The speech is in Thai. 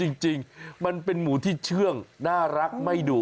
จริงมันเป็นหมูที่เชื่องน่ารักไม่ดุ